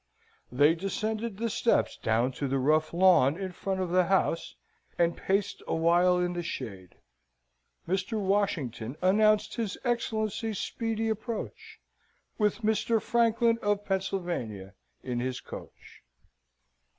They descended the steps down to the rough lawn in front of the house, and paced a while in the shade. Mr. Washington announced his Excellency's speedy approach, with Mr. Franklin of Pennsylvania in his coach.